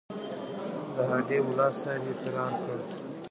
د هډې ملاصاحب یې فرار کړ.